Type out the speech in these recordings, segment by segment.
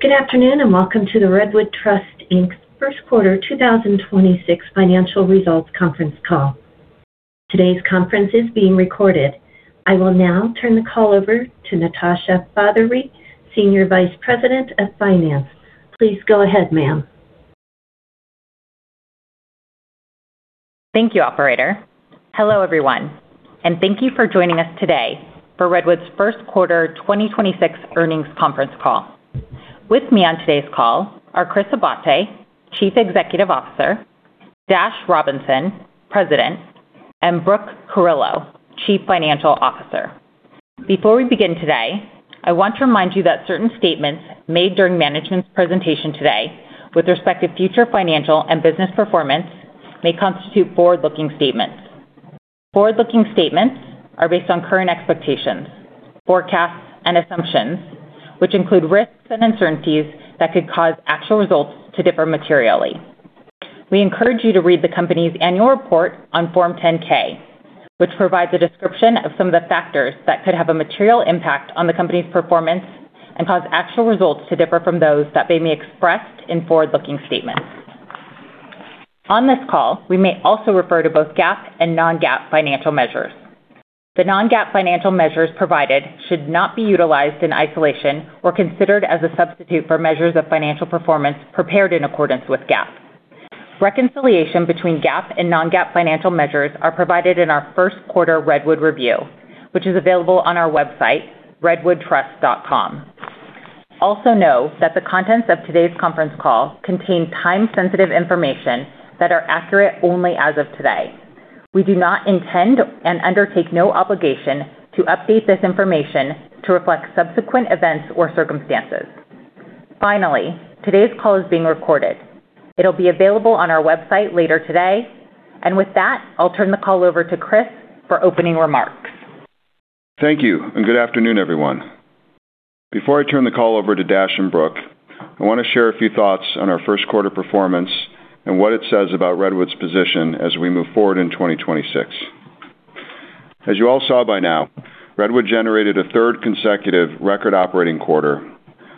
Good afternoon, welcome to the Redwood Trust, Inc.'s first quarter 2026 financial results conference call. Today's conference is being recorded. I will now turn the call over to Natasha Fatheree, Senior Vice President of Finance. Please go ahead, ma'am. Thank you, operator. Hello, everyone, and thank you for joining us today for Redwood's first quarter 2026 earnings conference call. With me on today's call are Chris Abate, Chief Executive Officer, Dash Robinson, President, and Brooke Carillo, Chief Financial Officer. Before we begin today, I want to remind you that certain statements made during management's presentation today with respect to future financial and business performance may constitute forward-looking statements. Forward-looking statements are based on current expectations, forecasts, and assumptions, which include risks and uncertainties that could cause actual results to differ materially. We encourage you to read the company's annual report on Form 10-K, which provides a description of some of the factors that could have a material impact on the company's performance and cause actual results to differ from those that may be expressed in forward-looking statements. On this call, we may also refer to both GAAP and non-GAAP financial measures. The non-GAAP financial measures provided should not be utilized in isolation or considered as a substitute for measures of financial performance prepared in accordance with GAAP. Reconciliation between GAAP and non-GAAP financial measures are provided in our first quarter Redwood Review, which is available on our website, redwoodtrust.com. Also know that the contents of today's conference call contain time-sensitive information that are accurate only as of today. We do not intend and undertake no obligation to update this information to reflect subsequent events or circumstances. Finally, today's call is being recorded. It'll be available on our website later today. With that, I'll turn the call over to Chris for opening remarks. Thank you, good afternoon, everyone. Before I turn the call over to Dash and Brooke, I want to share a few thoughts on our first quarter performance and what it says about Redwood's position as we move forward in 2026. As you all saw by now, Redwood generated a third consecutive record operating quarter,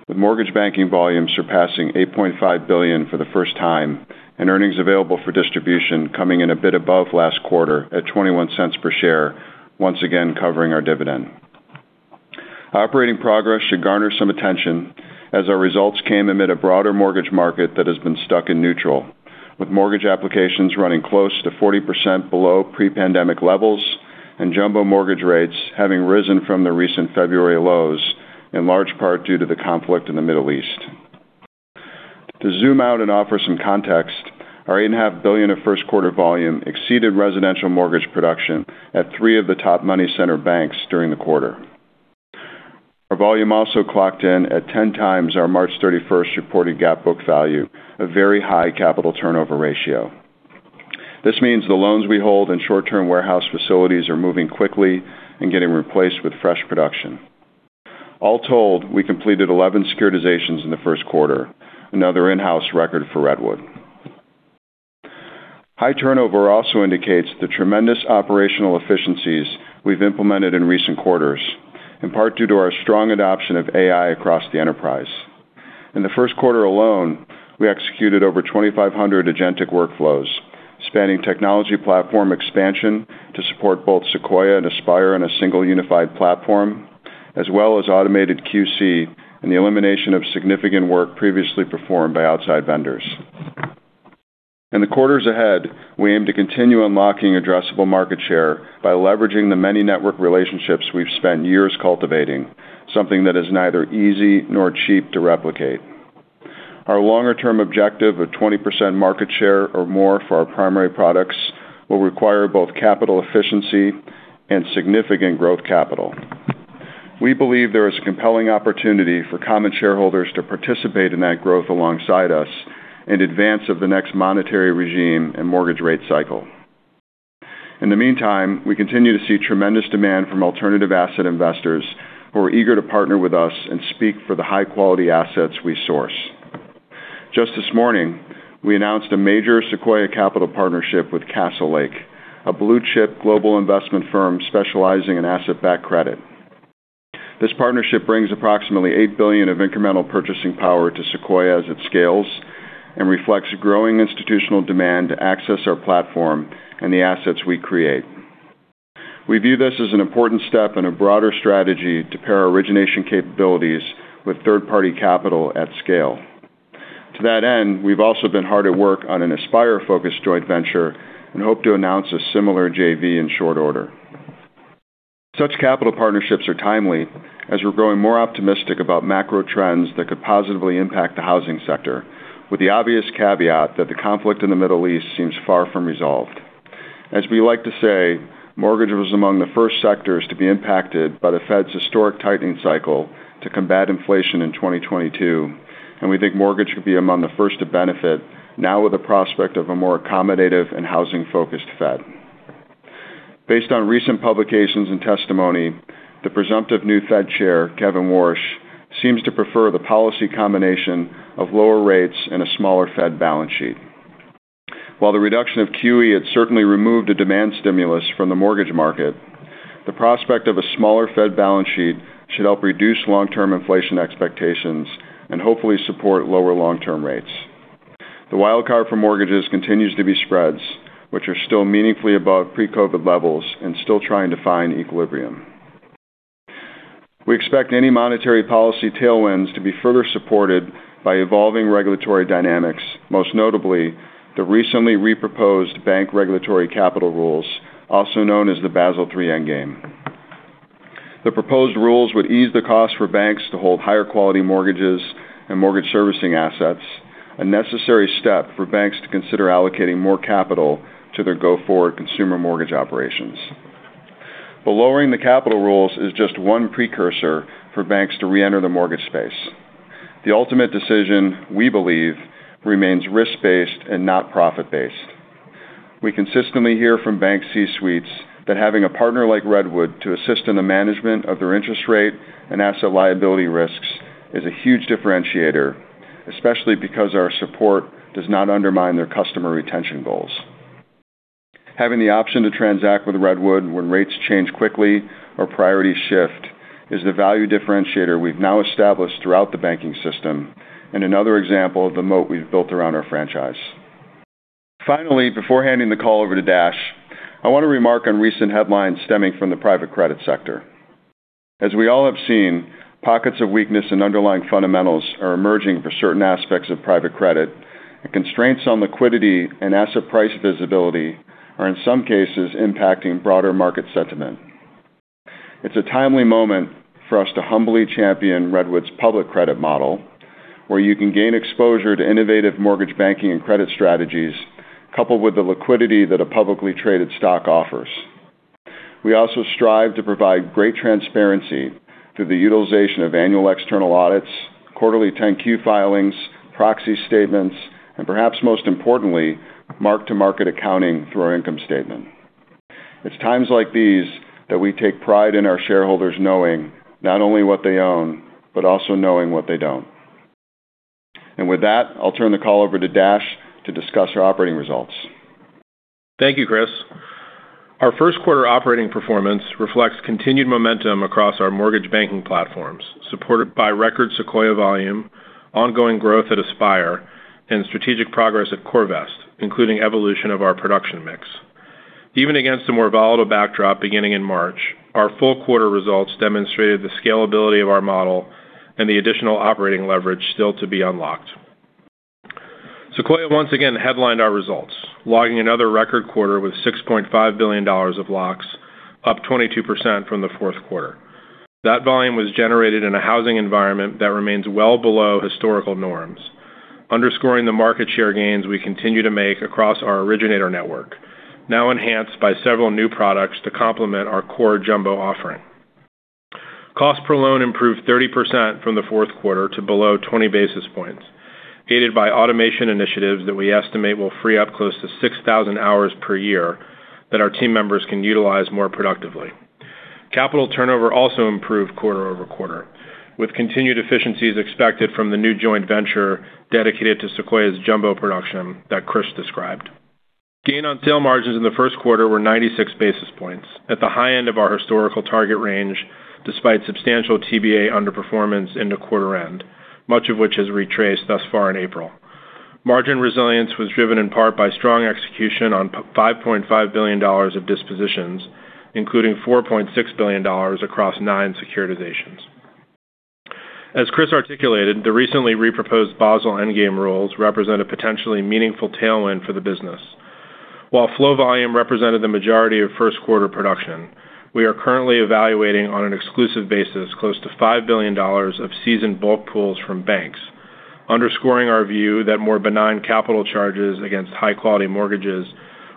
with mortgage banking volume surpassing $8.5 billion for the first time and earnings available for distribution coming in a bit above last quarter at $0.21 per share, once again covering our dividend. Operating progress should garner some attention as our results came amid a broader mortgage market that has been stuck in neutral, with mortgage applications running close to 40% below pre-pandemic levels and jumbo mortgage rates having risen from the recent February lows, in large part due to the conflict in the Middle East. To zoom out and offer some context, our $8.5 billion of first quarter volume exceeded residential mortgage production at three of the top money center banks during the quarter. Our volume also clocked in at 10 times our March 31st reported GAAP book value, a very high capital turnover ratio. This means the loans we hold in short-term warehouse facilities are moving quickly and getting replaced with fresh production. All told, we completed 11 securitizations in the first quarter, another in-house record for Redwood. High turnover also indicates the tremendous operational efficiencies we've implemented in recent quarters, in part due to our strong adoption of AI across the enterprise. In the first quarter alone, we executed over 2,500 agentic workflows, spanning technology platform expansion to support both Sequoia and Aspire in a single unified platform, as well as automated QC and the elimination of significant work previously performed by outside vendors. In the quarters ahead, we aim to continue unlocking addressable market share by leveraging the many network relationships we've spent years cultivating, something that is neither easy nor cheap to replicate. Our longer-term objective of 20% market share or more for our primary products will require both capital efficiency and significant growth capital. We believe there is compelling opportunity for common shareholders to participate in that growth alongside us in advance of the next monetary regime and mortgage rate cycle. In the meantime, we continue to see tremendous demand from alternative asset investors who are eager to partner with us and speak for the high-quality assets we source. Just this morning, we announced a major Sequoia capital partnership with Castlelake, a blue-chip global investment firm specializing in asset-backed credit. This partnership brings approximately $8 billion of incremental purchasing power to Sequoia as it scales and reflects growing institutional demand to access our platform and the assets we create. We view this as an important step in a broader strategy to pair our origination capabilities with third-party capital at scale. To that end, we've also been hard at work on an Aspire-focused joint venture and hope to announce a similar JV in short order. Such capital partnerships are timely as we're growing more optimistic about macro trends that could positively impact the housing sector, with the obvious caveat that the conflict in the Middle East seems far from resolved. As we like to say, mortgage was among the first sectors to be impacted by the Fed's historic tightening cycle to combat inflation in 2022. We think mortgage should be among the first to benefit now with the prospect of a more accommodative and housing-focused Fed. Based on recent publications and testimony, the presumptive new Fed chair, Kevin Warsh, seems to prefer the policy combination of lower rates and a smaller Fed balance sheet. While the reduction of QE had certainly removed a demand stimulus from the mortgage market, the prospect of a smaller Fed balance sheet should help reduce long-term inflation expectations and hopefully support lower long-term rates. The wild card for mortgages continues to be spreads, which are still meaningfully above pre-COVID levels and still trying to find equilibrium. We expect any monetary policy tailwinds to be further supported by evolving regulatory dynamics, most notably the recently reproposed bank regulatory capital rules, also known as the Basel III Endgame. The proposed rules would ease the cost for banks to hold higher quality mortgages and mortgage servicing assets, a necessary step for banks to consider allocating more capital to their go-forward consumer mortgage operations. Lowering the capital rules is just one precursor for banks to reenter the mortgage space. The ultimate decision, we believe, remains risk-based and not profit-based. We consistently hear from bank C-suites that having a partner like Redwood to assist in the management of their interest rate and asset liability risks is a huge differentiator, especially because our support does not undermine their customer retention goals. Having the option to transact with Redwood when rates change quickly or priorities shift is the value differentiator we've now established throughout the banking system and another example of the moat we've built around our franchise. Finally, before handing the call over to Dash, I want to remark on recent headlines stemming from the private credit sector. As we all have seen, pockets of weakness in underlying fundamentals are emerging for certain aspects of private credit, and constraints on liquidity and asset price visibility are in some cases impacting broader market sentiment. It's a timely moment for us to humbly champion Redwood's public credit model, where you can gain exposure to innovative mortgage banking and credit strategies coupled with the liquidity that a publicly traded stock offers. We also strive to provide great transparency through the utilization of annual external audits, quarterly 10-Q filings, proxy statements, and perhaps most importantly, mark-to-market accounting through our income statement. It's times like these that we take pride in our shareholders knowing not only what they own but also knowing what they don't. With that, I'll turn the call over to Dash to discuss our operating results. Thank you, Chris. Our first quarter operating performance reflects continued momentum across our mortgage banking platforms, supported by record Sequoia volume, ongoing growth at Aspire, and strategic progress at CoreVest, including evolution of our production mix. Even against a more volatile backdrop beginning in March, our full quarter results demonstrated the scalability of our model and the additional operating leverage still to be unlocked. Sequoia once again headlined our results, logging another record quarter with $6.5 billion of locks, up 22% from the fourth quarter. That volume was generated in a housing environment that remains well below historical norms, underscoring the market share gains we continue to make across our originator network, now enhanced by several new products to complement our core jumbo offering. Cost per loan improved 30% from the fourth quarter to below 20 basis points, aided by automation initiatives that we estimate will free up close to 6,000 hours per year that our team members can utilize more productively. Capital turnover also improved quarter-over-quarter, with continued efficiencies expected from the new joint venture dedicated to Sequoia's jumbo production that Chris described. Gain on sale margins in the first quarter were 96 basis points at the high end of our historical target range, despite substantial TBA underperformance into quarter end, much of which has retraced thus far in April. Margin resilience was driven in part by strong execution on $5.5 billion of dispositions, including $4.6 billion across nine securitizations. As Chris articulated, the recently reproposed Basel endgame rules represent a potentially meaningful tailwind for the business. While flow volume represented the majority of first quarter production, we are currently evaluating on an exclusive basis close to $5 billion of seasoned bulk pools from banks, underscoring our view that more benign capital charges against high-quality mortgages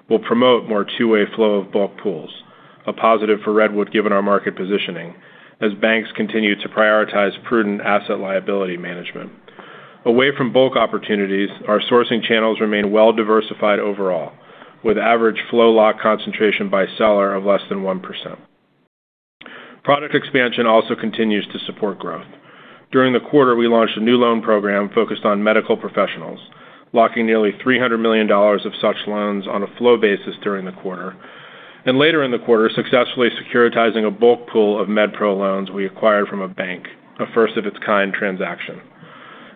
will promote more two-way flow of bulk pools, a positive for Redwood given our market positioning as banks continue to prioritize prudent asset liability management. Away from bulk opportunities, our sourcing channels remain well-diversified overall, with average flow lock concentration by seller of less than 1%. Product expansion also continues to support growth. During the quarter, we launched a new loan program focused on Medical Professionals, locking nearly $300 million of such loans on a flow basis during the quarter, and later in the quarter, successfully securitizing a bulk pool of med pro loans we acquired from a bank, a first of its kind transaction.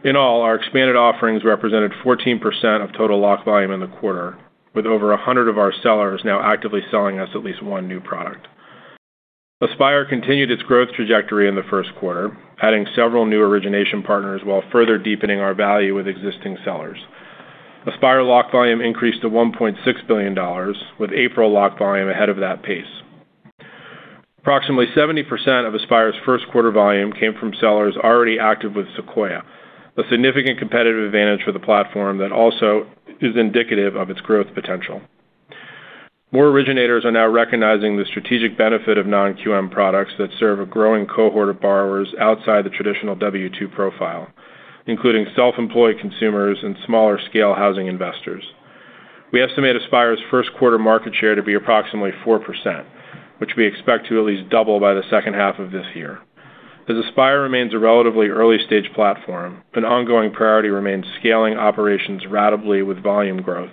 In all, our expanded offerings represented 14% of total lock volume in the quarter, with over 100 of our sellers now actively selling us at least one new product. Aspire continued its growth trajectory in the first quarter, adding several new origination partners while further deepening our value with existing sellers. Aspire lock volume increased to $1.6 billion, with April lock volume ahead of that pace. Approximately 70% of Aspire's first quarter volume came from sellers already active with Sequoia, a significant competitive advantage for the platform that also is indicative of its growth potential. More originators are now recognizing the strategic benefit of non-QM products that serve a growing cohort of borrowers outside the traditional W-2 profile, including self-employed consumers and smaller scale housing investors. We estimate Aspire's first quarter market share to be approximately 4%, which we expect to at least double by the second half of this year. As Aspire remains a relatively early-stage platform, an ongoing priority remains scaling operations ratably with volume growth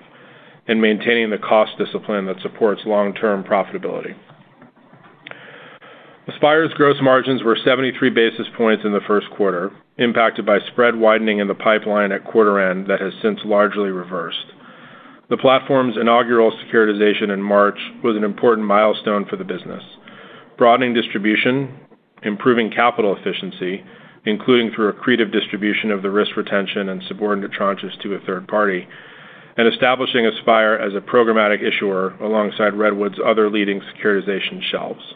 and maintaining the cost discipline that supports long-term profitability. Aspire's gross margins were 73 basis points in the first quarter, impacted by spread widening in the pipeline at quarter end that has since largely reversed. The platform's inaugural securitization in March was an important milestone for the business, broadening distribution, improving capital efficiency, including through accretive distribution of the risk retention and subordinate tranches to a third party, and establishing Aspire as a programmatic issuer alongside Redwood's other leading securitization shelves.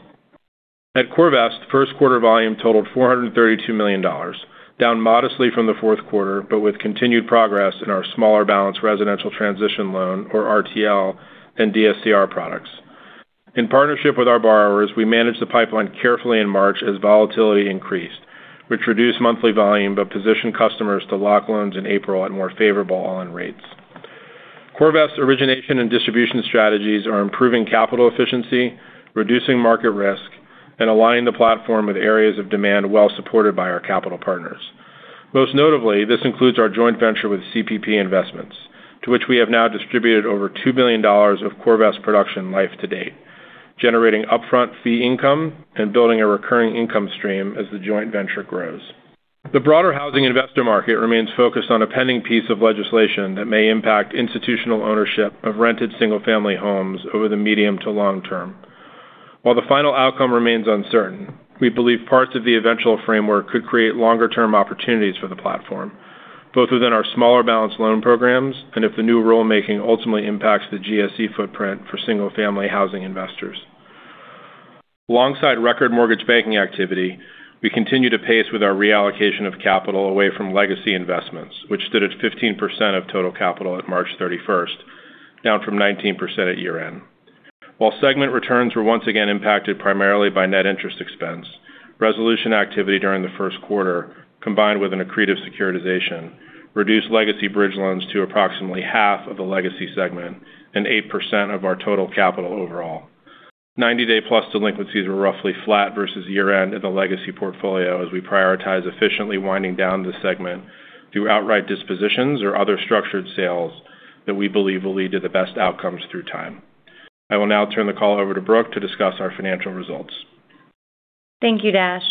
At CoreVest, first quarter volume totaled $432 million, down modestly from the fourth quarter, but with continued progress in our smaller balance residential transition loan, or RTL, and DSCR products. In partnership with our borrowers, we managed the pipeline carefully in March as volatility increased, which reduced monthly volume but positioned customers to lock loans in April at more favorable on rates. CoreVest origination and distribution strategies are improving capital efficiency, reducing market risk, and aligning the platform with areas of demand well supported by our capital partners. Most notably, this includes our joint venture with CPP Investments, to which we have now distributed over $2 billion of CoreVest production life to date, generating upfront fee income and building a recurring income stream as the joint venture grows. The broader housing investor market remains focused on a pending piece of legislation that may impact institutional ownership of rented single-family homes over the medium to long term. While the final outcome remains uncertain, we believe parts of the eventual framework could create longer-term opportunities for the platform, both within our smaller balance loan programs and if the new rule making ultimately impacts the GSE footprint for single-family housing investors. Alongside record mortgage banking activity, we continue to pace with our reallocation of capital away from legacy investments, which stood at 15% of total capital at March 31st, down from 19% at year-end. While segment returns were once again impacted primarily by net interest expense, resolution activity during the first quarter, combined with an accretive securitization, reduced legacy bridge loans to approximately half of the legacy segment and 8% of our total capital overall. 90-day-plus delinquencies were roughly flat versus year-end in the legacy portfolio as we prioritize efficiently winding down the segment through outright dispositions or other structured sales that we believe will lead to the best outcomes through time. I will now turn the call over to Brooke to discuss our financial results. Thank you, Dash.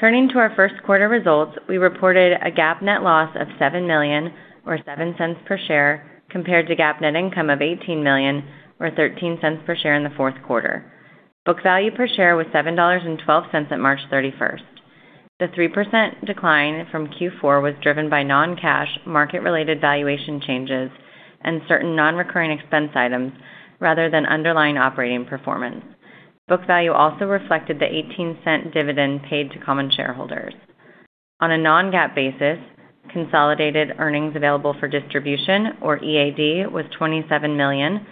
Turning to our first quarter results, we reported a GAAP net loss of $7 million, or $0.07 per share, compared to GAAP net income of $18 million, or $0.13 per share in the fourth quarter. Book value per share was $7.12 at March 31st. The 3% decline from Q4 was driven by non-cash market-related valuation changes and certain non-recurring expense items rather than underlying operating performance. Book value also reflected the $0.18 dividend paid to common shareholders. On a non-GAAP basis, consolidated earnings available for distribution, or EAD, was $27 million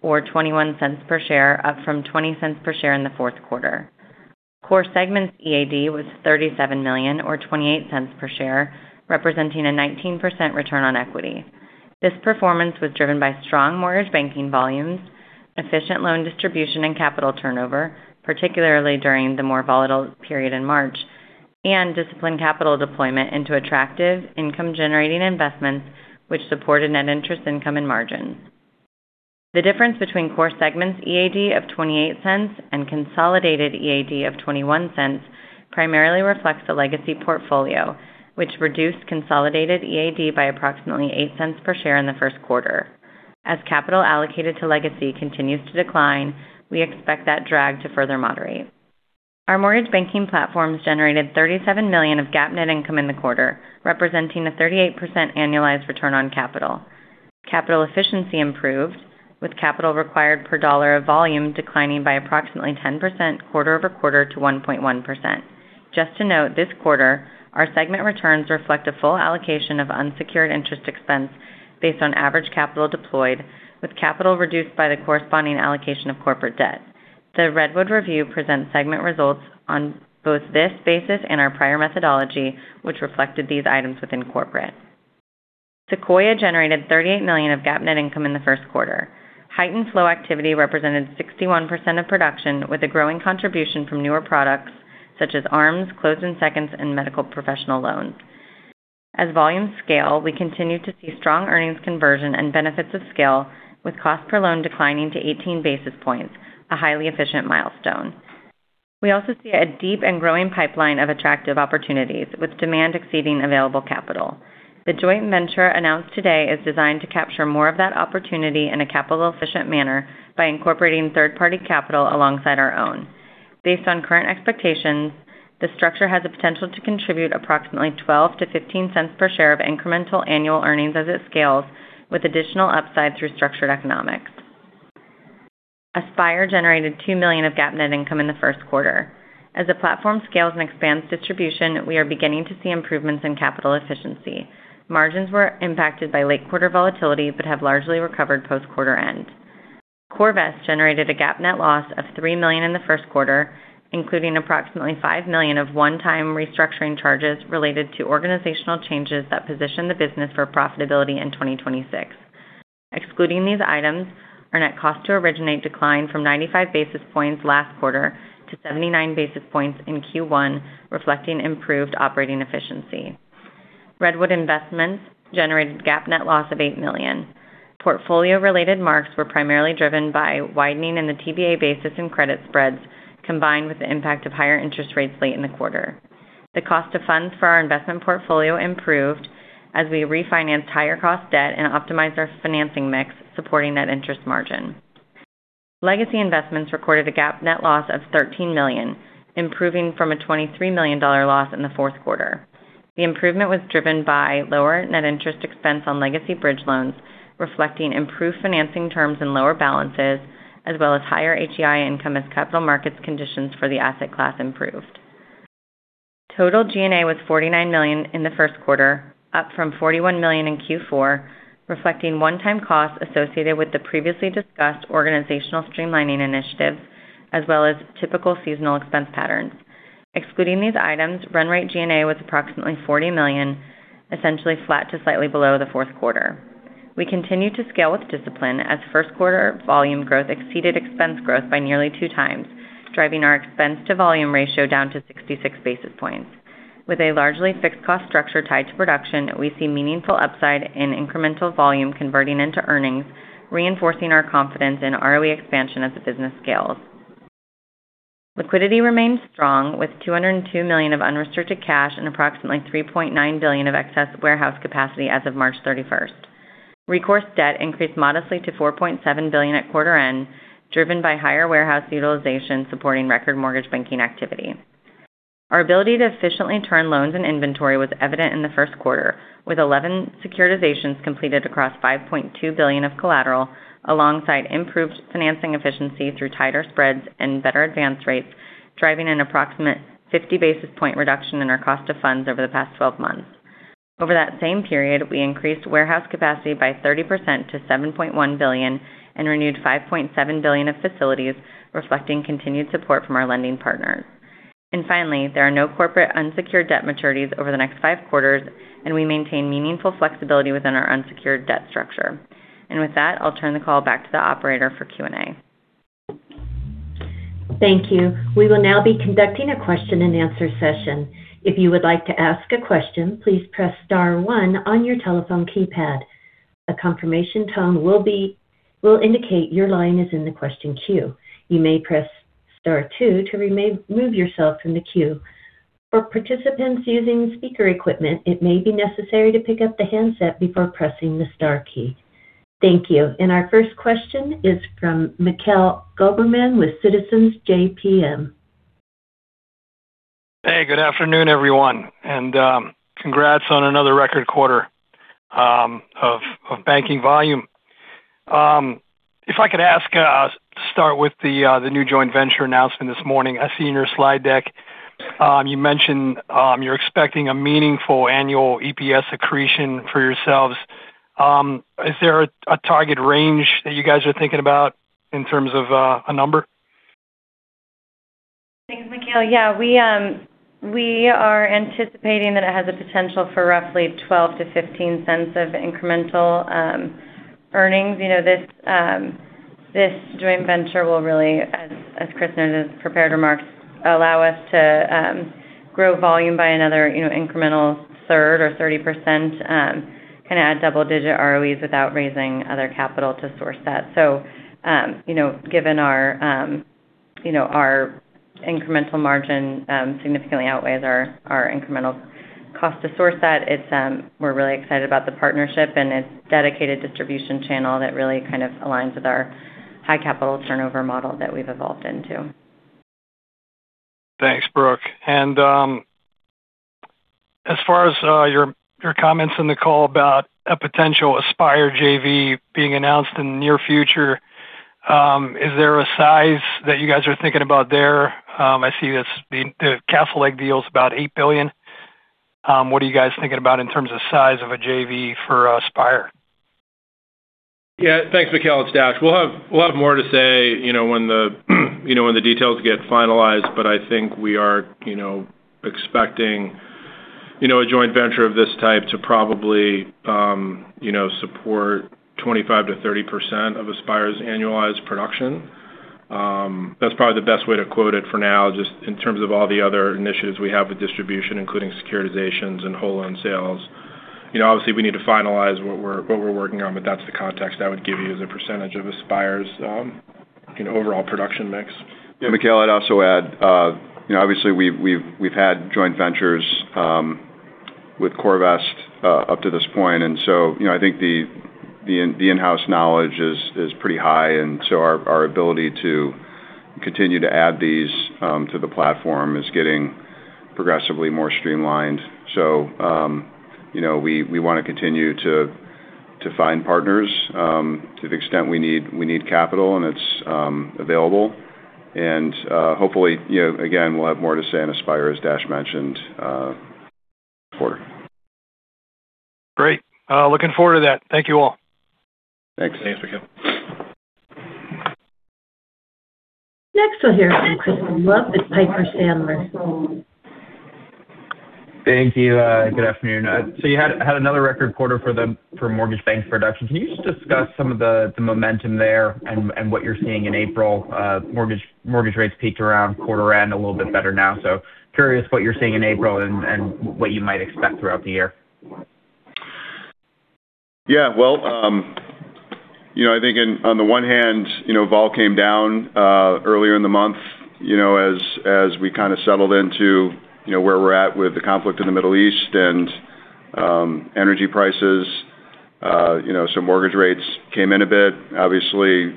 or $0.21 per share, up from $0.20 per share in the fourth quarter. Core segments EAD was $37 million or $0.28 per share, representing a 19% return on equity. This performance was driven by strong mortgage banking volumes, efficient loan distribution and capital turnover, particularly during the more volatile period in March, and disciplined capital deployment into attractive income-generating investments which supported net interest income and margins. The difference between core segments EAD of $0.28 and consolidated EAD of $0.21 primarily reflects the legacy portfolio, which reduced consolidated EAD by approximately $0.08 per share in the first quarter. As capital allocated to legacy continues to decline, we expect that drag to further moderate. Our mortgage banking platforms generated $37 million of GAAP net income in the quarter, representing a 38% annualized return on capital. Capital efficiency improved, with capital required per dollar of volume declining by approximately 10% quarter-over-quarter to 1.1%. Just to note, this quarter, our segment returns reflect a full allocation of unsecured interest expense based on average capital deployed, with capital reduced by the corresponding allocation of corporate debt. The Redwood Review presents segment results on both this basis and our prior methodology, which reflected these items within corporate. Sequoia generated $38 million of GAAP net income in the first quarter. Heightened flow activity represented 61% of production, with a growing contribution from newer products such as ARMs, Closed-End Second, and Medical Professionals loans. As volumes scale, we continue to see strong earnings conversion and benefits of scale, with cost per loan declining to 18 basis points, a highly efficient milestone. We also see a deep and growing pipeline of attractive opportunities, with demand exceeding available capital. The joint venture announced today is designed to capture more of that opportunity in a capital-efficient manner by incorporating third-party capital alongside our own. Based on current expectations, the structure has the potential to contribute approximately $0.12-$0.15 per share of incremental annual earnings as it scales, with additional upside through structured economics. Aspire generated $2 million of GAAP net income in the first quarter. As the platform scales and expands distribution, we are beginning to see improvements in capital efficiency. Margins were impacted by late quarter volatility but have largely recovered post-quarter end. CoreVest generated a GAAP net loss of $3 million in the first quarter, including approximately $5 million of one-time restructuring charges related to organizational changes that position the business for profitability in 2026. Excluding these items, our net cost to originate declined from 95 basis points last quarter to 79 basis points in Q1, reflecting improved operating efficiency. Redwood Investments generated GAAP net loss of $8 million. Portfolio related marks were primarily driven by widening in the TBA basis and credit spreads, combined with the impact of higher interest rates late in the quarter. The cost of funds for our investment portfolio improved as we refinanced higher cost debt and optimized our financing mix, supporting net interest margin. Legacy investments recorded a GAAP net loss of $13 million, improving from a $23 million loss in the fourth quarter. The improvement was driven by lower net interest expense on legacy bridge loans, reflecting improved financing terms and lower balances, as well as higher HEI income as capital markets conditions for the asset class improved. Total G&A was $49 million in the first quarter, up from $41 million in Q4, reflecting one-time costs associated with the previously discussed organizational streamlining initiative, as well as typical seasonal expense patterns. Excluding these items, run rate G&A was approximately $40 million, essentially flat to slightly below the fourth quarter. We continue to scale with discipline as first quarter volume growth exceeded expense growth by nearly 2x, driving our expense to volume ratio down to 66 basis points. With a largely fixed cost structure tied to production, we see meaningful upside in incremental volume converting into earnings, reinforcing our confidence in ROE expansion as the business scales. Liquidity remains strong with $202 million of unrestricted cash and approximately $3.9 billion of excess warehouse capacity as of March 31st. Recourse debt increased modestly to $4.7 billion at quarter end, driven by higher warehouse utilization supporting record mortgage banking activity. Our ability to efficiently turn loans and inventory was evident in the first quarter, with 11 securitizations completed across $5.2 billion of collateral, alongside improved financing efficiency through tighter spreads and better advance rates, driving an approximate 50 basis point reduction in our cost of funds over the past 12 months. Over that same period, we increased warehouse capacity by 30% to $7.1 billion and renewed $5.7 billion of facilities, reflecting continued support from our lending partners. Finally, there are no corporate unsecured debt maturities over the next five quarters, and we maintain meaningful flexibility within our unsecured debt structure. With that, I'll turn the call back to the operator for Q&A. Thank you. We will now be conducting a question-and-answer session. If you would like to ask a question, please press star one on your telephone keypad. A confirmation tone will indicate your line is in the question queue. You may press star two to remove yourself from the queue. For participants using speaker equipment, it may be necessary to pick up the handset before pressing the star key. Thank you. Our first question is from Mikhail Goberman with Citizens JMP. Good afternoon, everyone, congrats on another record quarter of banking volume. If I could ask to start with the new joint venture announcement this morning. I see in your slide deck, you mentioned you're expecting a meaningful annual EPS accretion for yourselves. Is there a target range that you guys are thinking about in terms of a number? Thanks, Mikhail. Yeah, we are anticipating that it has the potential for roughly $0.12-$0.15 of incremental earnings. This joint venture will really, as Chris noted in his prepared remarks, allow us to grow volume by another incremental third or 30%, kind of add double-digit ROEs without raising other capital to source that. Given our incremental margin significantly outweighs our incremental cost to source that, we're really excited about the partnership and its dedicated distribution channel that really kind of aligns with our high capital turnover model that we've evolved into. Thanks, Brooke. As far as your comments on the call about a potential Aspire JV being announced in the near future, is there a size that you guys are thinking about there? I see it's the Castlelake deal is about $8 billion. What are you guys thinking about in terms of size of a JV for Aspire? Yeah. Thanks, Mikhail. It's Dash. We'll have more to say, you know, when the details get finalized, I think we are, you know, expecting, you know, a joint venture of this type to probably, you know, support 25%-30% of Aspire's annualized production. That's probably the best way to quote it for now, just in terms of all the other initiatives we have with distribution, including securitizations and whole loan sales. You know, obviously, we need to finalize what we're working on, that's the context I would give you as a percentage of Aspire's, you know, overall production mix. Yeah, Mikhail, I'd also add, you know, obviously we've had joint ventures with CoreVest up to this point. You know, I think the in-house knowledge is pretty high, our ability to continue to add these to the platform is getting progressively more streamlined. You know, we wanna continue to find partners to the extent we need capital, and it's available. Hopefully, you know, again, we'll have more to say on Aspire, as Dash mentioned, quarter. Great. looking forward to that. Thank you all. Thanks. Thanks, Mikhail. Next, we'll hear from Crispin Love with Piper Sandler. Thank you. Good afternoon. You had another record quarter for mortgage banks production. Can you just discuss some of the momentum there and what you're seeing in April? Mortgage rates peaked around quarter end a little bit better now. Curious what you're seeing in April and what you might expect throughout the year. Yeah. Well, you know, I think on the one hand, you know, vol came down earlier in the month, you know, as we kind of settled into, you know, where we're at with the conflict in the Middle East and energy prices. You know, some mortgage rates came in a bit. Obviously,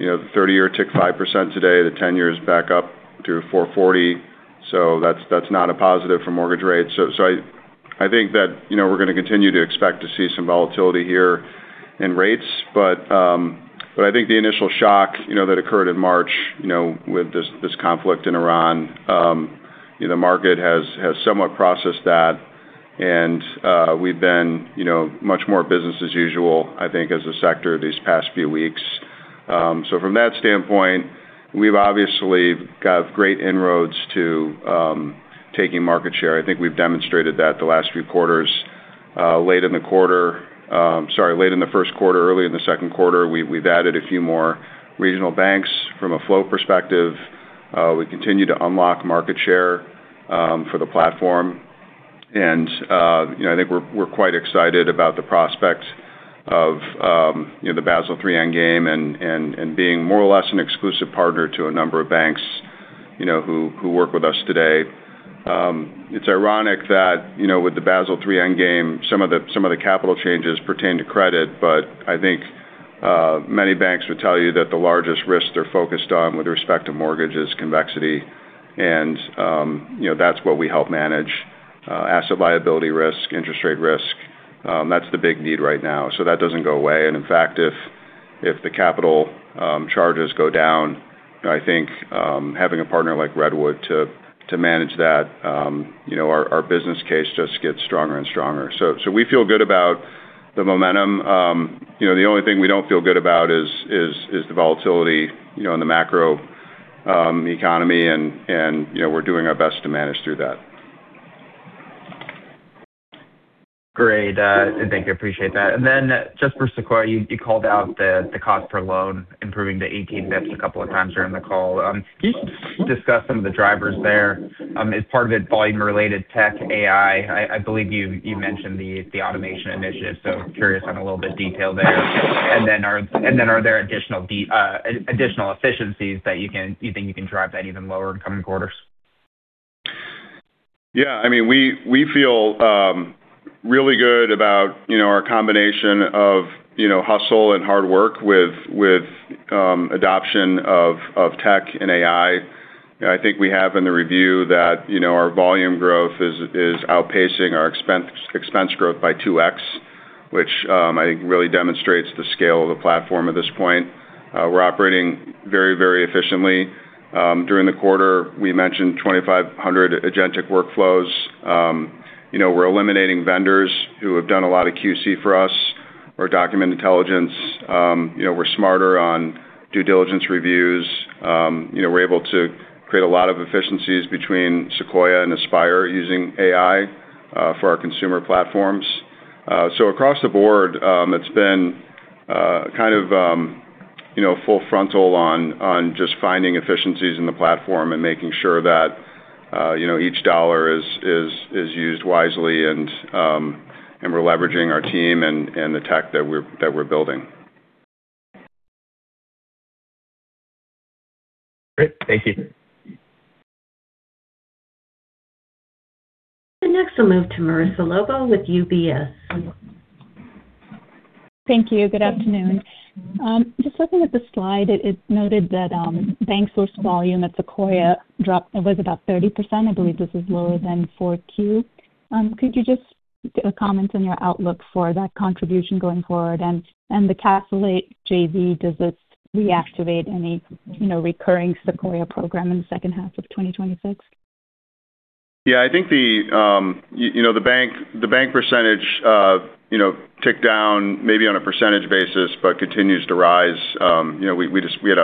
you know, the 30-year ticked 5% today. The 10-year is back up to 4.40, so that's not a positive for mortgage rates. I think that, you know, we're gonna continue to expect to see some volatility here in rates. I think the initial shock, you know, that occurred in March, you know, with this conflict in Iran, you know, the market has somewhat processed that. We've been, you know, much more business as usual, I think, as a sector these past few weeks. From that standpoint, we've obviously got great inroads to taking market share. I think we've demonstrated that the last few quarters. Late in the first quarter, early in the second quarter, we've added a few more regional banks from a flow perspective. We continue to unlock market share for the platform. You know, I think we're quite excited about the prospects of, you know, the Basel III Endgame and being more or less an exclusive partner to a number of banks, you know, who work with us today. It's ironic that, you know, with the Basel III Endgame, some of the capital changes pertain to credit, but I think many banks would tell you that the largest risk they're focused on with respect to mortgage is convexity. You know, that's what we help manage. Asset liability risk, interest rate risk, that's the big need right now. That doesn't go away. In fact, if the capital charges go down, I think having a partner like Redwood to manage that, you know, our business case just gets stronger and stronger. We feel good about the momentum. You know, the only thing we don't feel good about is the volatility, you know, in the macro economy and, you know, we're doing our best to manage through that. Great. Thank you. Appreciate that. Just for Sequoia, you called out the cost per loan improving to 18 basis points a couple of times during the call. Can you discuss some of the drivers there? Is part of it volume-related tech, AI? I believe you mentioned the automation initiative, so I'm curious on a little bit of detail there. Are there additional efficiencies that you think you can drive that even lower in coming quarters? Yeah. I mean, we feel really good about, you know, our combination of, you know, hustle and hard work with adoption of tech and AI. You know, I think we have in the review that, you know, our volume growth is outpacing our expense growth by 2x, which I think really demonstrates the scale of the platform at this point. We're operating very efficiently. During the quarter, we mentioned 2,500 agentic workflows. You know, we're eliminating vendors who have done a lot of QC for us or document intelligence. You know, we're smarter on due diligence reviews. You know, we're able to create a lot of efficiencies between Sequoia and Aspire using AI for our consumer platforms. Across the board, it's been, kind of, you know, full frontal on just finding efficiencies in the platform and making sure that, you know, each dollar is used wisely and we're leveraging our team and the tech that we're building. Great. Thank you. The next, we'll move to Marissa Lobo with UBS. Thank you. Good afternoon. Just looking at the slide, it's noted that bank sourced volume at Sequoia dropped. It was about 30%. I believe this is lower than 4Q. Could you just comment on your outlook for that contribution going forward? The Castlelake JV, does this reactivate any, you know, recurring Sequoia program in the second half of 2026? Yeah. I think the, you know, the bank percentage, you know, ticked down maybe on a percentage basis, but continues to rise. You know, we had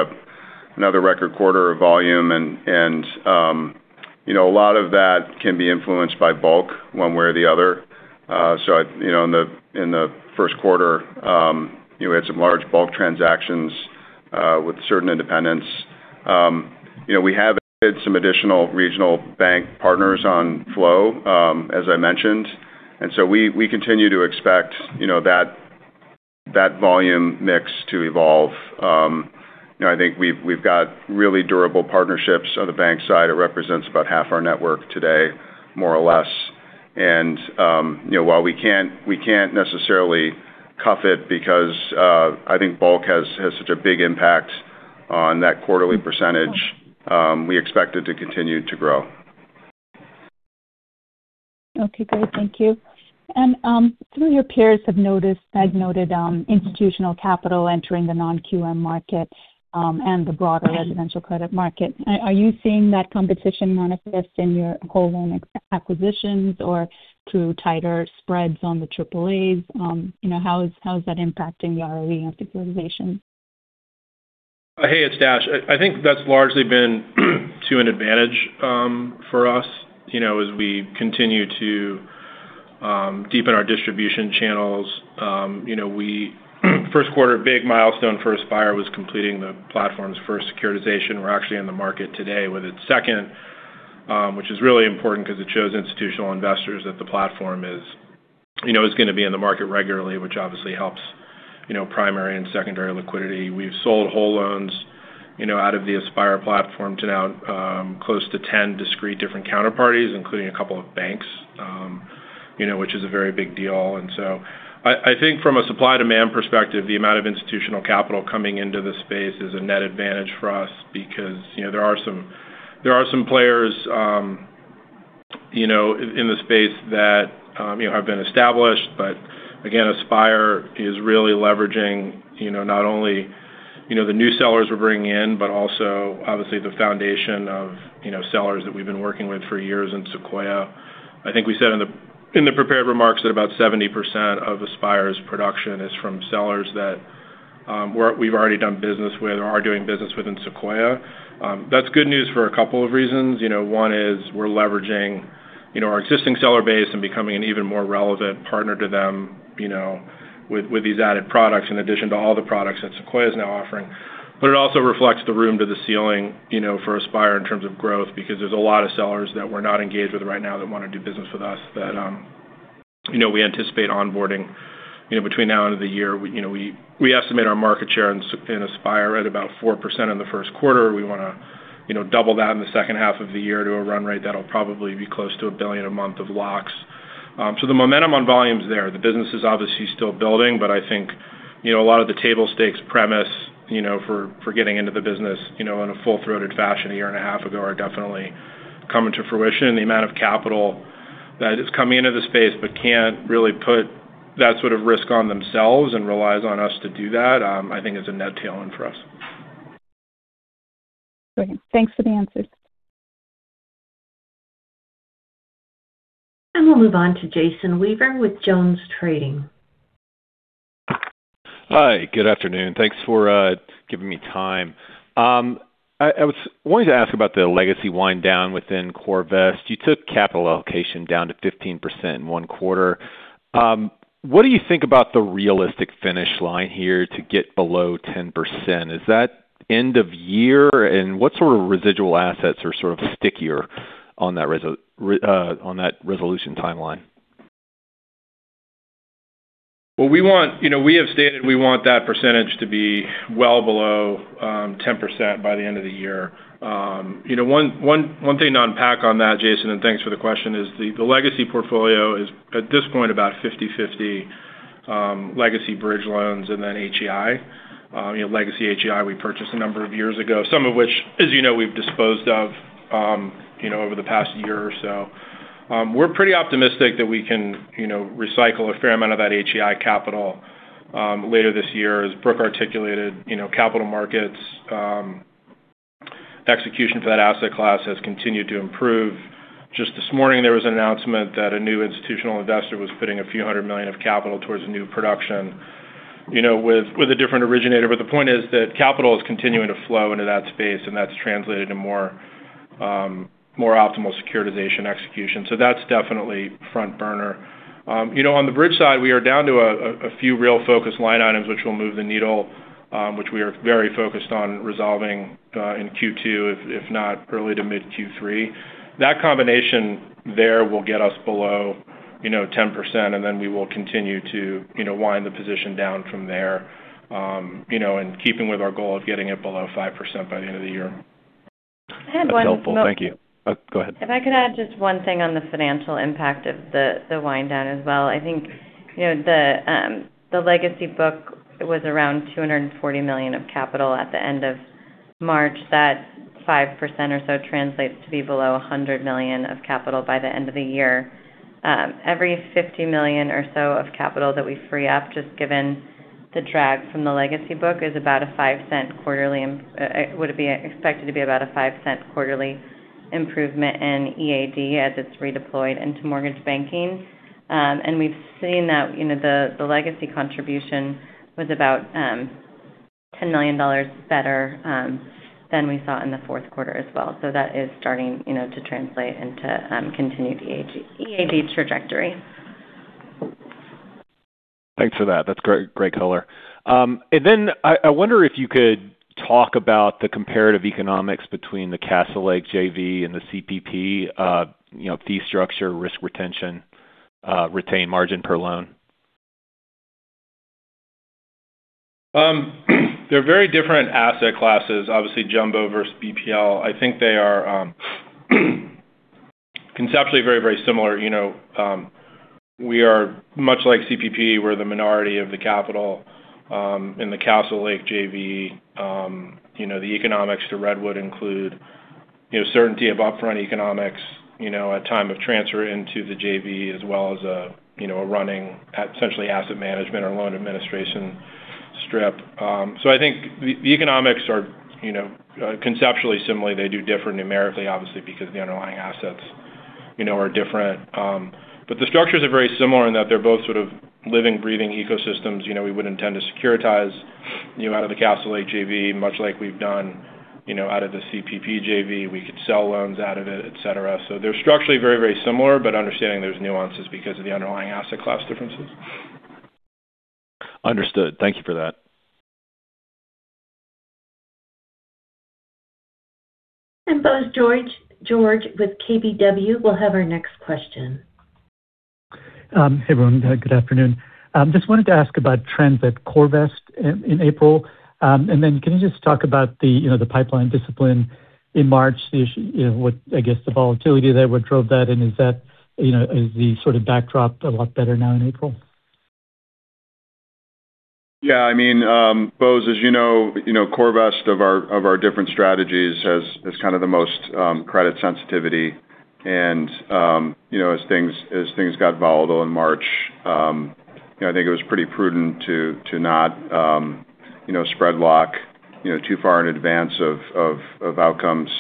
another record quarter of volume and, you know, a lot of that can be influenced by bulk one way or the other. You know, in the first quarter, you know, we had some large bulk transactions with certain independents. You know, we have added some additional regional bank partners on flow, as I mentioned. We continue to expect, you know, that volume mix to evolve. You know, I think we've got really durable partnerships on the bank side. It represents about half our network today, more or less. You know, while we can't necessarily cuff it because I think bulk has such a big impact on that quarterly percentage, we expect it to continue to grow. Okay, great. Thank you. Some of your peers have noted institutional capital entering the non-QM market and the broader residential credit market. Are you seeing that competition manifest in your whole loan acquisitions or through tighter spreads on the AAAs? You know, how is that impacting the ROE monetization? Hey, it's Dash. I think that's largely been to an advantage for us, you know, as we continue to deepen our distribution channels. You know first quarter, big milestone for Aspire was completing the platform's first securitization. We're actually in the market today with its second, which is really important because it shows institutional investors that the platform is, you know, gonna be in the market regularly, which obviously helps, you know, primary and secondary liquidity. We've sold whole loans, you know, out of the Aspire platform to now close to 10 discrete different counterparties, including a couple of banks, you know, which is a very big deal. I think from a supply demand perspective, the amount of institutional capital coming into this space is a net advantage for us because, you know, there are some players, you know, in the space that, you know, have been established. Again, Aspire is really leveraging, you know, not only, you know, the new sellers we're bringing in, but also obviously the foundation of, you know, sellers that we've been working with for years in Sequoia. I think we said in the prepared remarks that about 70% of Aspire's production is from sellers that we've already done business with or are doing business within Sequoia. That's good news for a couple of reasons. You know, one is we're leveraging, you know, our existing seller base and becoming an even more relevant partner to them, you know, with these added products in addition to all the products that Sequoia is now offering. It also reflects the room to the ceiling, you know, for Aspire in terms of growth, because there's a lot of sellers that we're not engaged with right now that wanna do business with us that, you know, we anticipate onboarding, you know, between now and the year. We, you know, we estimate our market share in Aspire at about 4% in the first quarter. We wanna, you know, double that in the second half of the year to a run rate that'll probably be close to $1 billion a month of locks. The momentum on volume's there. The business is obviously still building, but I think, you know, a lot of the table stakes premise, you know, for getting into the business, you know, in a full-throated fashion a year and a half ago are definitely coming to fruition. The amount of capital that is coming into the space but can't really put that sort of risk on themselves and relies on us to do that, I think is a net tailwind for us. Great. Thanks for the answers. We'll move on to Jason Weaver with JonesTrading. Hi, good afternoon. Thanks for giving me time. I was wanting to ask about the legacy wind down within CoreVest. You took capital allocation down to 15% in 1 quarter. What do you think about the realistic finish line here to get below 10%? Is that end of year? What sort of residual assets are sort of stickier on that resolution timeline? You know, we have stated we want that percentage to be well below 10% by the end of the year. You know, one thing to unpack on that, Jason, and thanks for the question, is the legacy portfolio is at this point about 50/50, legacy bridge loans and then HEI. You know, legacy HEI we purchased a number of years ago, some of which, as you know, we've disposed of, you know, over the past year or so. We're pretty optimistic that we can, you know, recycle a fair amount of that HEI capital later this year. As Brooke articulated, you know, capital markets execution for that asset class has continued to improve. This morning, there was an announcement that a new institutional investor was putting a few hundred million of capital towards new production, you know, with a different originator. The point is that capital is continuing to flow into that space, and that's translated to more optimal securitization execution. That's definitely front burner. You know, on the bridge side, we are down to a few real focused line items which will move the needle, which we are very focused on resolving in Q2, if not early to mid Q3. That combination there will get us below, you know, 10%, and then we will continue to, you know, wind the position down from there, you know, and keeping with our goal of getting it below 5% by the end of the year. That's helpful. Thank you. Oh, go ahead. If I could add just one thing on the financial impact of the wind down as well. I think, you know, the legacy book was around $240 million of capital at the end of March. That 5% or so translates to be below $100 million of capital by the end of the year. Every $50 million or so of capital that we free up, just given the drag from the legacy book, is about a $0.05 quarterly improvement in EAD as it's redeployed into mortgage banking. We've seen that, you know, the legacy contribution was about $10 million better than we saw in the fourth quarter as well. That is starting, you know, to translate into continued EAD trajectory. Thanks for that. That's great color. Then I wonder if you could talk about the comparative economics between the Castlelake JV and the CPP, you know, fee structure, risk retention, retain margin per loan. They're very different asset classes, obviously jumbo versus BPL. I think they are conceptually very similar. You know, we are much like CPP. We're the minority of the capital in the Castlelake JV. You know, the economics to Redwood include, you know, certainty of upfront economics, you know, at time of transfer into the JV, as well as a, you know, a running at essentially asset management or loan administration strip. I think the economics are, you know, conceptually similar. They do differ numerically, obviously because of the underlying assets. You know, are different. The structures are very similar in that they're both sort of living, breathing ecosystems. You know, we wouldn't intend to securitize, you know, out of the Castlelake JV, much like we've done, you know, out of the CPP JV. We could sell loans out of it, et cetera. They're structurally very, very similar, but understanding there's nuances because of the underlying asset class differences. Understood. Thank you for that. Bose George with KBW will have our next question. Hey, everyone. Good afternoon. Just wanted to ask about trends at CoreVest in April. Can you just talk about the, you know, the pipeline discipline in March, the volatility there, what drove that, and is that, you know, is the sort of backdrop a lot better now in April? Yeah, I mean, Bose, as you know, you know, CoreVest of our different strategies has kind of the most credit sensitivity. You know, as things got volatile in March, you know, I think it was pretty prudent to not, you know, spread lock, you know, too far in advance of outcomes,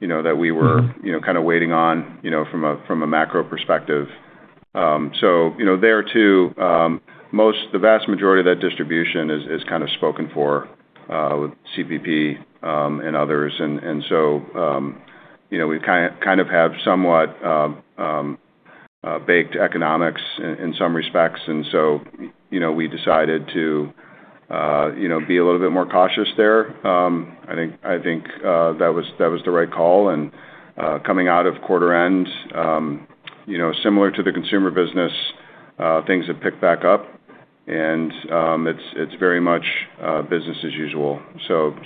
you know, that we were. Mm-hmm You know, kind of waiting on, you know, from a macro perspective. You know, there too, the vast majority of that distribution is kind of spoken for with CPP and others. You know, we kind of have somewhat baked economics in some respects. You know, we decided to, you know, be a little bit more cautious there. I think that was the right call. Coming out of quarter end, you know, similar to the consumer business, things have picked back up and it's very much business as usual.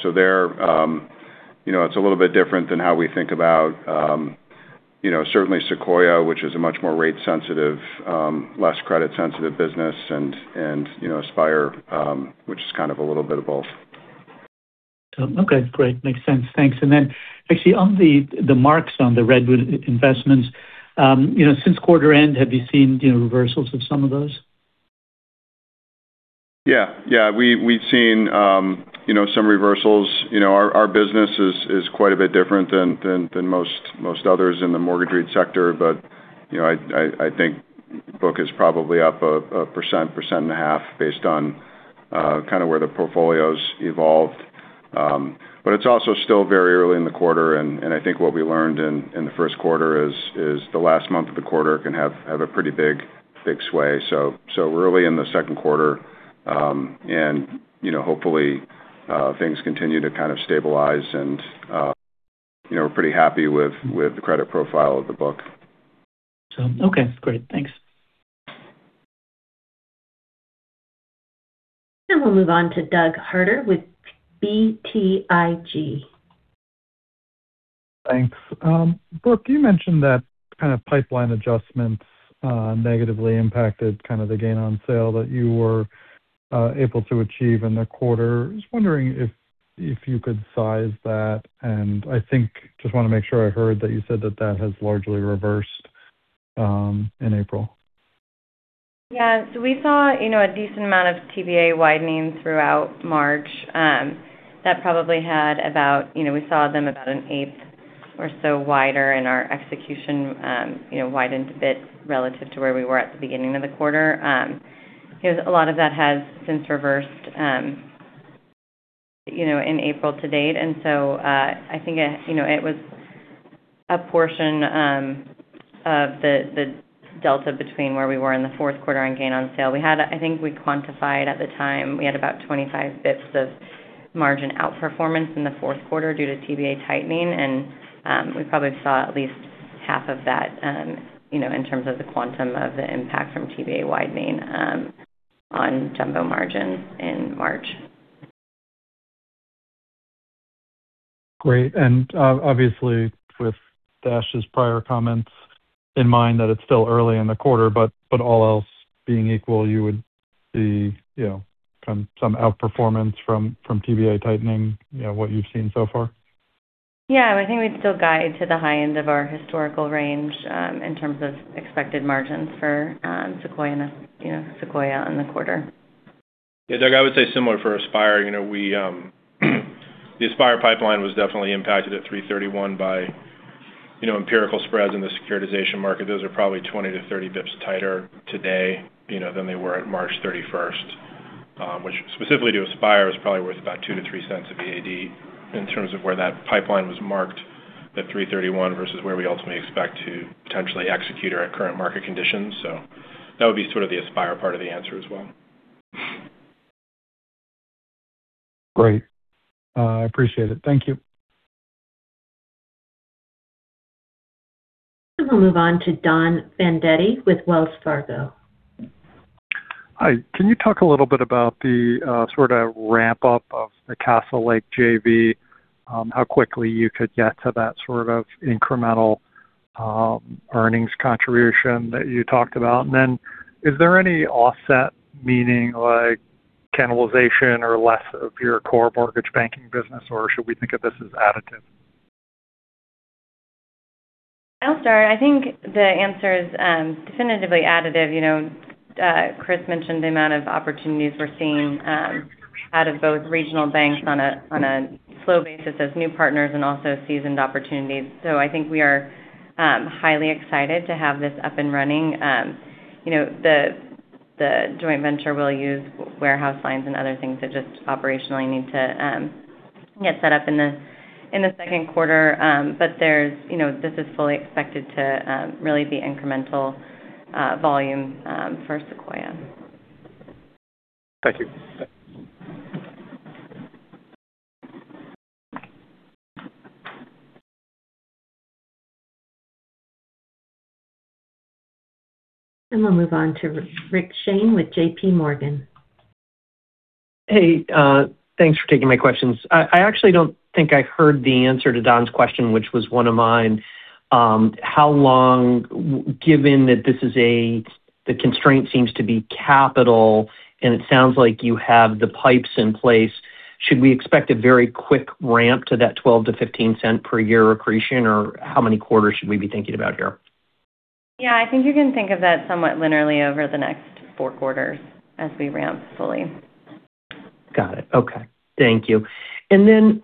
There, you know, it's a little bit different than how we think about, you know, certainly Sequoia, which is a much more rate sensitive, less credit sensitive business and, you know, Aspire, which is kind of a little bit of both. Okay, great. Makes sense. Thanks. Actually, on the marks on the Redwood Investments, you know, since quarter end, have you seen, you know, reversals of some of those? Yeah. We've seen, you know, some reversals. You know, our business is quite a bit different than most others in the mortgage REIT sector. You know, I think book is probably up 1.5% based on kind of where the portfolio's evolved. It's also still very early in the quarter, and I think what we learned in the first quarter is the last month of the quarter can have a pretty big sway. We're early in the second quarter. You know, hopefully, things continue to kind of stabilize and, you know, we're pretty happy with the credit profile of the book. Okay, great. Thanks. We'll move on to Douglas Harter with BTIG. Thanks. Brooke, you mentioned that kind of pipeline adjustments, negatively impacted kind of the gain on sale that you were able to achieve in the quarter. I was wondering if you could size that, and I think just wanna make sure I heard that you said that that has largely reversed in April? Yeah. We saw a decent amount of TBA widening throughout March. That probably had about, we saw them about an eighth or so wider, and our execution widened a bit relative to where we were at the beginning of the quarter. A lot of that has since reversed in April to date. I think it was a portion of the delta between where we were in the fourth quarter on gain on sale. I think we quantified at the time; we had about 25 basis points of margin outperformance in the fourth quarter due to TBA tightening. We probably saw at least half of that, you know, in terms of the quantum of the impact from TBA widening, on jumbo margin in March. Great. Obviously, with Dash's prior comments in mind that it's still early in the quarter, but all else being equal, you would see, you know, some outperformance from TBA tightening, you know, what you've seen so far? Yeah. I think we'd still guide to the high end of our historical range, in terms of expected margins for Sequoia in the quarter. Yeah, Doug, I would say similar for Aspire. You know, we, the Aspire pipeline was definitely impacted at 3/31 by, you know, empirical spreads in the securitization market. Those are probably 20 to 30 basis points tighter today, you know, than they were at March 31st. Which specifically to Aspire, is probably worth about $0.02 to $0.03 of EAD in terms of where that pipeline was marked at 3/31 versus where we ultimately expect to potentially execute our current market conditions. That would be sort of the Aspire part of the answer as well. Great. I appreciate it. Thank you. We'll move on to Donald Fandetti with Wells Fargo. Hi. Can you talk a little bit about the sort of ramp-up of the Castlelake JV, how quickly you could get to that sort of incremental earnings contribution that you talked about? Is there any offset, meaning like cannibalization or less of your core mortgage banking business, or should we think of this as additive? I'll start. I think the answer is definitively additive. You know, Chris mentioned the amount of opportunities we're seeing out of both regional banks on a slow basis as new partners and also seasoned opportunities. I think we are highly excited to have this up and running. You know, the joint venture will use warehouse lines and other things that just operationally need to get set up in the second quarter. You know, this is fully expected to really be incremental volume for Sequoia. Thank you. We'll move on to Rich Shane with J.P. Morgan. Hey, thanks for taking my questions. I actually don't think I heard the answer to Don's question, which was one of mine. How long, given that the constraint seems to be capital, and it sounds like you have the pipes in place, should we expect a very quick ramp to that $0.12-$0.15 per year accretion, or how many quarters should we be thinking about here? Yeah, I think you can think of that somewhat linearly over the next four quarters as we ramp fully. Got it. Okay. Thank you. Then,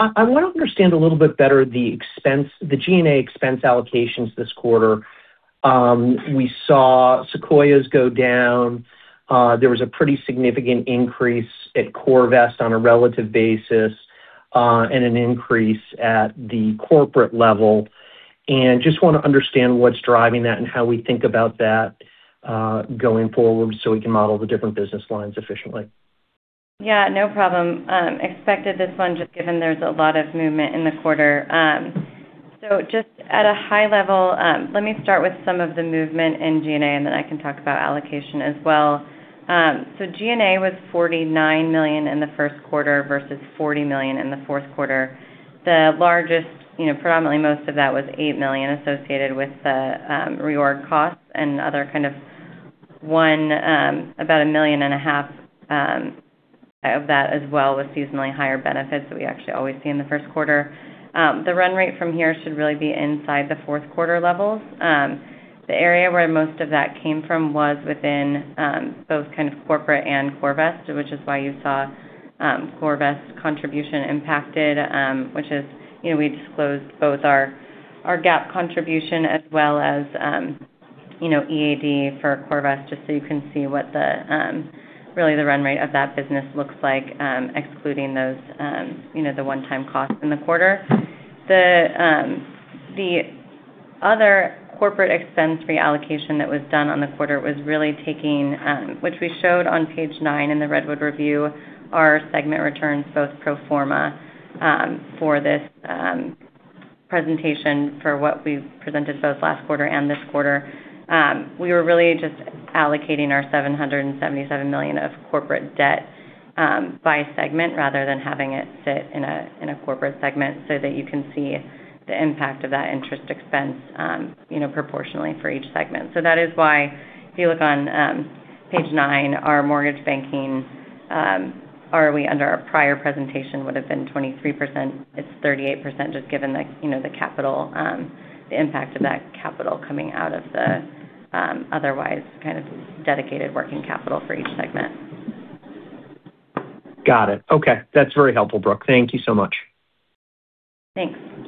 I wanna understand a little bit better the expense, the G&A expense allocations this quarter. There was a pretty significant increase at CoreVest on a relative basis, and an increase at the corporate level. Just wanna understand what's driving that and how we think about that going forward so we can model the different business lines efficiently. Yeah, no problem. Expected this one just given there's a lot of movement in the quarter. Just at a high level, let me start with some of the movement in G&A, then I can talk about allocation as well. G&A was $49 million in the first quarter versus $40 million in the fourth quarter. The largest, you know, predominantly most of that was $8 million associated with the reorg costs and other kind of one, about a million and a half of that as well with seasonally higher benefits that we actually always see in the first quarter. The run rate from here should really be inside the fourth quarter levels. The area where most of that came from was within both kind of corporate and CoreVest, which is why you saw CoreVest contribution impacted, which is, you know, we disclosed both our GAAP contribution as well as, you know, EAD for CoreVest, just so you can see what the really the run rate of that business looks like, excluding those, you know, the one-time costs in the quarter. The other corporate expense reallocation that was done on the quarter was really taking, which we showed on page nine in the Redwood Review, our segment returns both pro forma for this presentation for what we presented both last quarter and this quarter. We were really just allocating our $777 million of corporate debt by segment rather than having it sit in a corporate segment so that you can see the impact of that interest expense, you know, proportionally for each segment. That is why if you look on page nine, our mortgage banking, under our prior presentation, would have been 23%. It's 38% just given the, you know, the capital, the impact of that capital coming out of the otherwise kind of dedicated working capital for each segment. Got it. Okay. That's very helpful, Brooke. Thank you so much. Thanks.